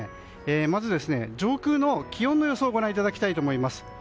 まず、上空の気温の予想をご覧いただきます。